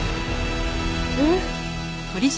えっ？